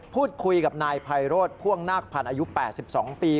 พูดคุยกับนายไพโรดพ่วงนักผ่านอายุ๘๒ปี